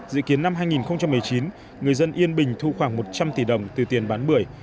dự kiến năm hai nghìn một mươi chín người dân yên bình thu khoảng một trăm linh tỷ đồng từ tiền bán bưởi